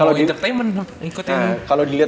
kalo diliat dari culture ya